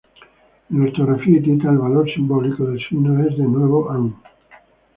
En ortografía hitita, el valor silábico del signo es, de nuevo, "an".